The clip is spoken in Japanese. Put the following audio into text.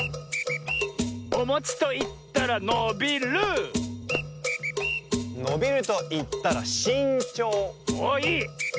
おもちといったらのびるのびるといったらしんちょうおっいい。